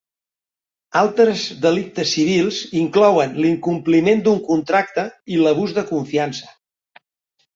Altres delictes civils inclouen l'incompliment d'un contracte i l'abús de confiança.